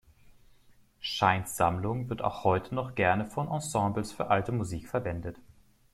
Scheins Sammlung wird auch heute noch gerne von Ensembles für Alte Musik verwendet.